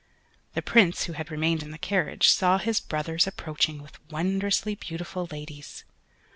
The Prince who had remained in the carriage, saw his brothers, approaching with wondrously beautiful ladies.